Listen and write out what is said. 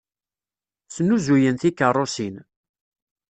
Snuzuyen tikeṛṛusin.